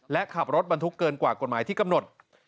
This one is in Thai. และขับรถบรรทุกเกินกว่ากฎหมายที่กำหนด